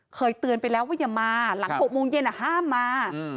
เคยเตือนไปแล้วว่าอย่ามาหลัง๖โมงเย็นห้ามมา